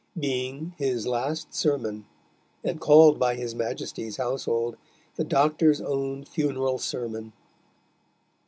Being his last Sermon, and called by his Maiesties houshold The Doctor's owne Funerall Sermon.